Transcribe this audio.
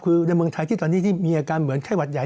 คือในเมืองไทยที่ตอนนี้ที่มีอาการเหมือนไข้หวัดใหญ่